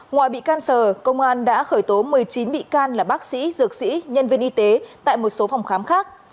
ngoài bị can sở công an đã khởi tố một mươi chín bị can là bác sĩ dược sĩ nhân viên y tế tại một số phòng khám khác